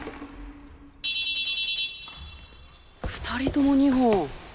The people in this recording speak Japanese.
２人とも２本。